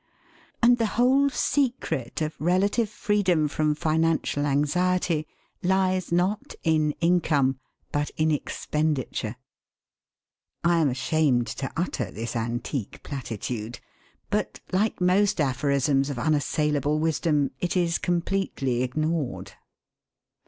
And the whole secret of relative freedom from financial anxiety lies not in income, but in expenditure. I am ashamed to utter this antique platitude. But, like most aphorisms of unassailable wisdom, it is completely ignored.